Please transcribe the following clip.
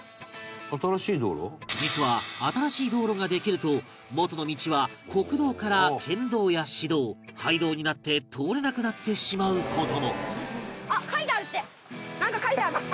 実は新しい道路ができると元の道は国道から県道や市道廃道になって通れなくなってしまう事も